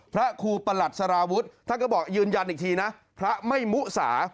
พระครูประหลัดสารวุฒิท่านก็บอกยืนยันอีกทีนะพระไม่มุสา